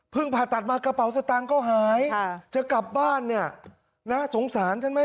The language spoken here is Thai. ผ่าตัดมากระเป๋าสตางค์ก็หายจะกลับบ้านเนี่ยนะสงสารท่านไหม